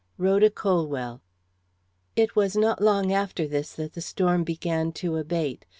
BROWNING. It was not long after this that the storm began to abate.